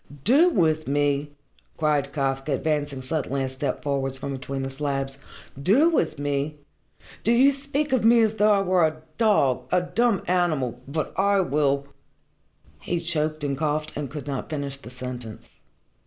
"Do with me?" cried Kafka, advancing suddenly a step forwards from between the slabs. "Do with me? Do you speak of me as though I were a dog a dumb animal but I will " He choked and coughed, and could not finish the sentence.